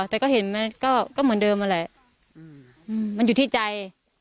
แต่ก็เห็นมันก็เหมือนเดิมอะไรมันอยู่ที่ใจ